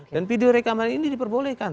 dan video rekaman ini diperbolehkan